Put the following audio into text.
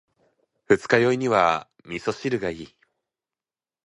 二日酔いには味噌汁がいい。